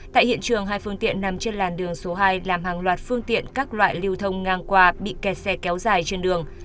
tại hiện trường hai phương tiện nằm trên làn đường số hai làm hàng loạt phương tiện các loại lưu thông ngang qua bị kẹt xe kéo dài trên đường